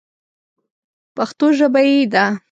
پښتو ژبه یې ده.